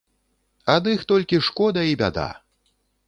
Ад іх толькі шкода і бяда.